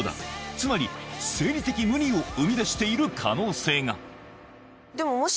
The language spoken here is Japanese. つまり「生理的無理」を生み出している可能性がでももし。